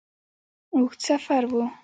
اوږد سفر وو.